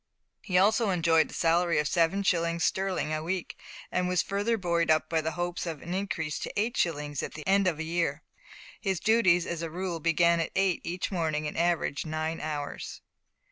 He also enjoyed a salary of seven shillings sterling a week, and was further buoyed up with the hope of an increase to eight shillings at the end of a year. His duties, as a rule, began at eight each morning, and averaged nine hours.